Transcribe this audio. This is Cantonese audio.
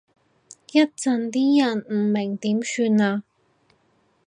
一陣啲人唔明點算啊？